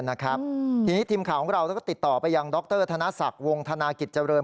ทีนี้ทีมข่าวของเราแล้วก็ติดต่อไปยังดรธนศักดิ์วงธนากิจเจริญ